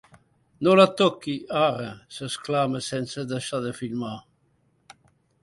No la toqui, ara! —s'exclama, sense deixar de filmar.